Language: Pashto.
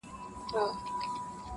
له ظالمه به مظلوم ساتل کېدلای -